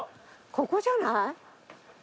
ここじゃない？